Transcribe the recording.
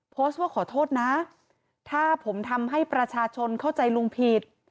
โพสต์ว่าขอโทษนะถ้าผมทำให้ประชาชนเข้าใจลุงผิด